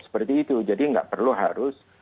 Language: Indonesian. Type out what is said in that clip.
seperti itu jadi nggak perlu harus